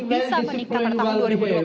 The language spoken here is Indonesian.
bisa meningkatkan tahun dua ribu dua puluh lima